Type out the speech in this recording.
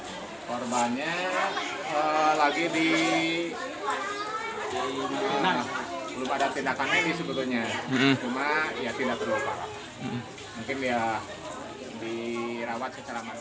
mungkin ya dirawat secara manfaat